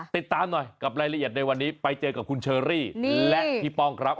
ติดตามหน่อยกับรายละเอียดในวันนี้ไปเจอกับคุณเชอรี่และพี่ป้องครับ